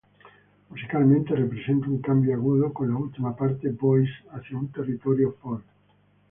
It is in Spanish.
Musicalmente representa un cambio agudo con la última parte "Voices" hacia un territorio folk.